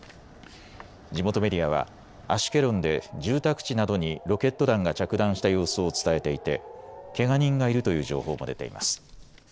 地元メディアはアシュケロンで住宅地などにロケット弾が着弾した様子を伝えていてけが人がいるという情報も出ています。